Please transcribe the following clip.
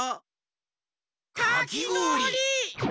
かきごおり！